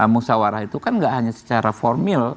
musawarah itu kan enggak hanya secara formil